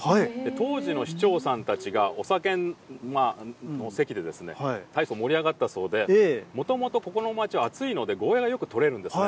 当時の市長さんたちがお酒の席でたいそう盛り上がったそうで、もともと、ここの町は暑いので、ゴーヤがよく取れるんですね。